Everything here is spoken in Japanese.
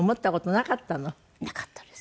なかったです。